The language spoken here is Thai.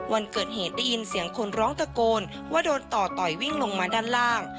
วันเกิดเหตุได้ยินเสียงคนร้องตะโกนว่าโดนต่อต่อยวิ่งลงมาด้านล่าง